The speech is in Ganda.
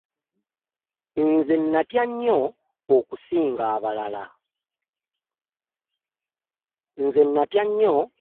Nze nnatya nnyo okusinga abalala.